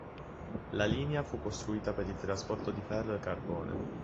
La linea fu costruita per il trasporto di ferro e carbone.